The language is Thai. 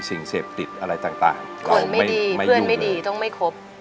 สิ่งเสพติดอะไรต่างเราไม่ยุ่งเลยคุณไม่ดีเพื่อนไม่ดีต้องไม่คบ